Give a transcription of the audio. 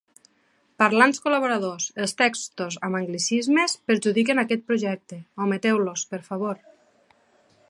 Parlants col·laboradors: els textos amb anglicismes perjudiquen aquest projecte; ometeu-los, per favor.